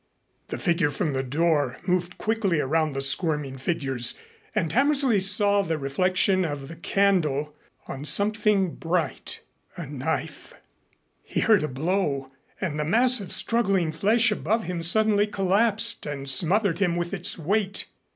The figure from the door moved quickly around the squirming figures, and Hammersley saw the reflection of the candle on something bright. A knife. He heard a blow, and the mass of struggling flesh above him suddenly collapsed and smothered him with its weight.